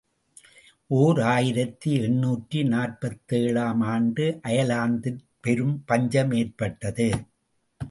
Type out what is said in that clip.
ஓர் ஆயிரத்து எண்ணூற்று நாற்பத்தேழு ஆம் ஆண்டு அயர்லாந்திற் பெரும் பஞ்சமேற்பட்டது.